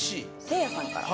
せいやさんから。